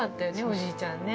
おじいちゃんね。